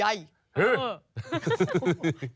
ฮือ